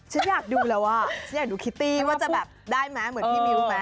ฉันอยากดูแล้วอ่ะฉันอยากดูคิตตี้ว่าจะแบบได้ไหมเหมือนพี่มิ้วไหม